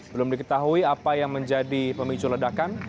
belum diketahui apa yang menjadi pemicu ledakan